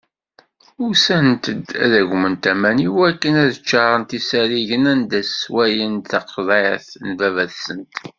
Usant-d ad agment aman iwakken ad ččaṛent isariǧen anda sswayent taqeḍɛit n baba-tsent.